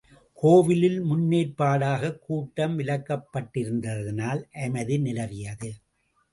கோவிலில் முன்னேற் பாடாகக் கூட்டம் விலக்கப்பட்டிருந்ததனால் அமைதி நிலவியது.